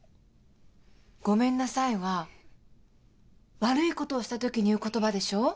「ごめんなさい」は悪いことをしたときに言う言葉でしょ？